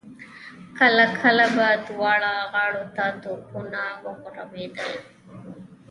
کله کله به دواړو غاړو ته توپونه وغړمبېدل.